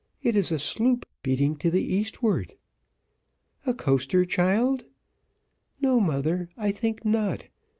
It is a sloop beating to the eastward." "A coaster, child?" "No, mother, I think not.